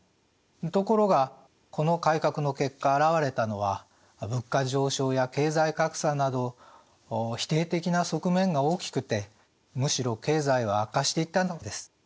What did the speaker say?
ところがこの改革の結果あらわれたのは物価上昇や経済格差など否定的な側面が大きくてむしろ経済は悪化していったのです。